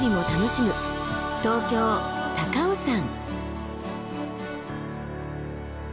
東京高尾山。